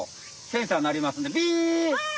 センサーなりますんで。